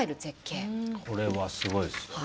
これはすごいですよ。